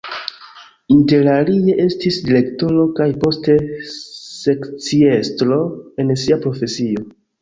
Interalie estis direktoro kaj poste sekciestro en sia profesio.